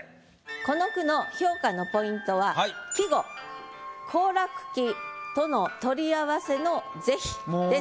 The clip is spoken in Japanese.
この句の評価のポイントは季語「黄落期」との取り合わせの是非です。